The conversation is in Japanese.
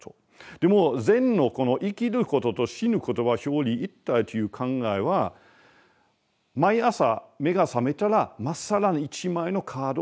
でも禅のこの生きることと死ぬことは表裏一体という考えは毎朝目が覚めたらまっさらな１枚のカードをもらう。